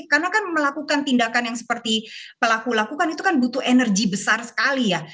karena kan melakukan tindakan yang seperti pelaku lakukan itu kan butuh energi besar sekali ya